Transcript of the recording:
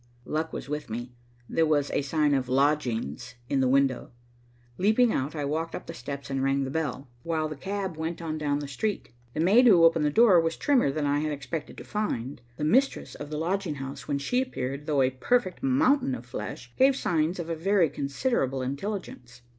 Luck was with me. There was a sign of "Lodgings" in the window. Leaping out I walked up the steps and rang the bell, while the cab went on down the street. The maid who opened the door was trimmer than I had expected to find. The mistress of the lodging house, when she appeared, though a perfect mountain of flesh, gave signs of a very considerable intelligence.